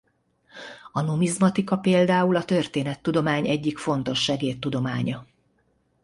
A numizmatika például a történettudomány egyik fontos segédtudománya.